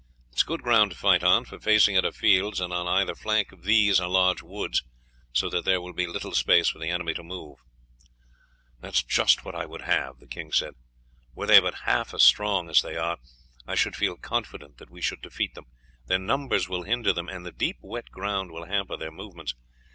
"It is a good ground to fight on, for facing it are fields, and on either flank of these are large woods, so that there will be little space for the enemy to move." "That is just what I would have," the king said. "Were they but half as strong as they are I should feel less confident that we should defeat them; their numbers will hinder them, and the deep wet ground will hamper their movements.